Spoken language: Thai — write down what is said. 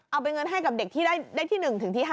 เอาไปเงินให้กับเด็กที่ได้ที่๑ถึงที่๕